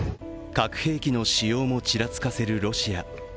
核兵器の使用もちらつかせるロシア。